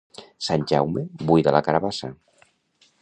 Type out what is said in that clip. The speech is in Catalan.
Sant Jaume buida la carabassa.